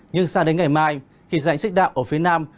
nhưng sang đến ngày mai khi dạnh xích đạm ở phía nam